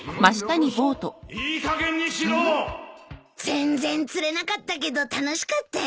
全然釣れなかったけど楽しかったよね。